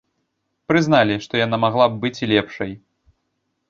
Прызналі, што яна магла б быць і лепшай.